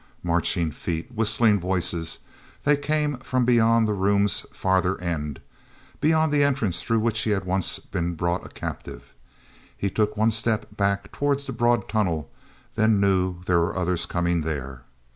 arching feet, whistling voices—they came from beyond the room's farther end, beyond the entrance through which he had once been brought a captive. He took one step back toward the broad tunnel, then knew there were others coming there.